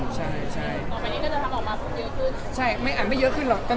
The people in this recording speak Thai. ออกมานี่ก็ละครับคุณ